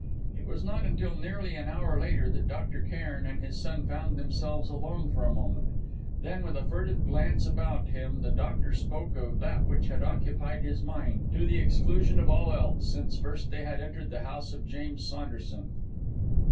It was not until nearly an hour later that Dr. Cairn and his son found themselves alone for a moment. Then, with a furtive glance about him, the doctor spoke of that which had occupied his mind, to the exclusion of all else, since first they had entered the house of James Saunderson.